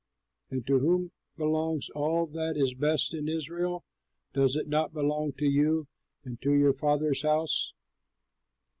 And to whom belongs all that is best in Israel? Does it not belong to you and to your father's house?"